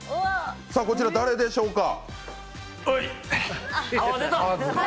こちら、誰でしょうか？